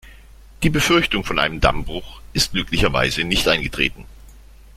Die Befürchtung vor einem Dammbruch ist glücklicherweise nicht eingetreten.